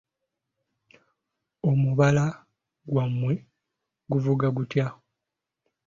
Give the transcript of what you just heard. Omubala gwammwe guvuga gutya?